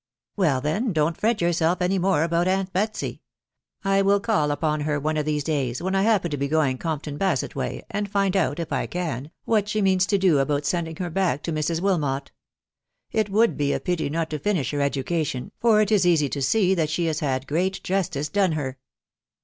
"' Well, then, don't fret yourself any more about ainrtfBeasy* I will call upon her one of these days when I happen to be going Compton Basett way, and find out, if I can, what she means to do about sending her back to Mrs. Wilmot. It would he«a pity not to finish her education,: for it is easy .to are that *he has had great justice done her."